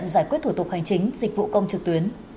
giải quyết thủ tục hành chính dịch vụ công trực tuyến